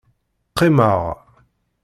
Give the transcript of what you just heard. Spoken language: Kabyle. Qqimeɣ.